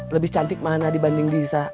lebih cantik mana dibanding disa